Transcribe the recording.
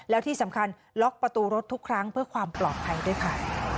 แล้วที่สำคัญล็อกประตูรถทุกครั้งเพื่อความปลอดภัยด้วยค่ะ